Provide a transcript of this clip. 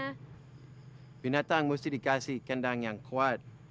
tidak binatang mesti dikasih kandang yang kuat